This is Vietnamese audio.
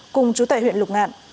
cùng chú tại huyện lục ngạn